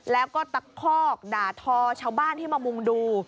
แล้วก็ตะคอกด่าทอชาวบ้านที่มามุ่งดู